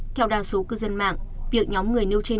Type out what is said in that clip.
theo đa số cư dân mạng việc nhóm người nêu trên